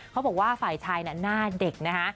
เขาบอกว่าฝ่ายชายน่ะหน้าเด็กนะคะ